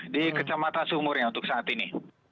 di kecamatan sumurnya untuk saat ini